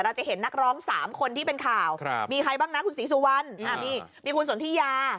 เราจะเห็นนักร้อง๓คนที่เป็นข่าวมีใครบ้างนะคุณศรีสุวรรณมีคุณสนทิยา